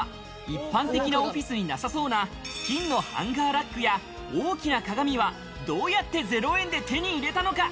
一般的なオフィスになさそうな金のハンガーラックや大きな鏡はどうやって０円で手に入れたのか？